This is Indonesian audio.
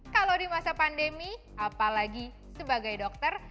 kalau di masa pandemi apalagi sebagai dokter